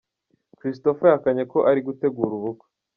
Christopher yahakanye ko ari gutegura ubukwe.